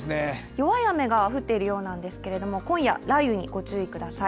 弱い雨が降っているようなんですけれども、今夜、雷雨にご注意ください。